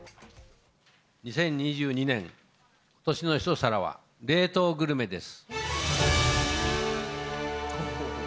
２０２２年今年の一皿は冷凍グルメです。